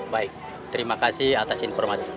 baik terima kasih atas informasi